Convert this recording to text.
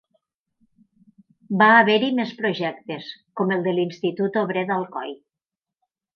Va haver-hi més projectes, com el de l'Institut Obrer d'Alcoi.